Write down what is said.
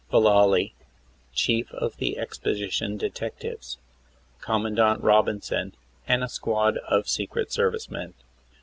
Vallaly, chief of the exposition detectives; Commandant Robinson, and a squad of secret service men.